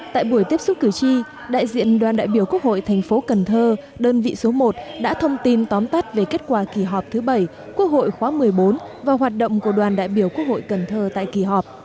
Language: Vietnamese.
tại buổi tiếp xúc cử tri đại diện đoàn đại biểu quốc hội thành phố cần thơ đơn vị số một đã thông tin tóm tắt về kết quả kỳ họp thứ bảy quốc hội khóa một mươi bốn và hoạt động của đoàn đại biểu quốc hội cần thơ tại kỳ họp